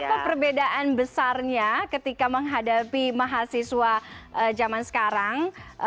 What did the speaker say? apa perbedaan besarnya ketika menghadapi mahasiswa zaman sekarang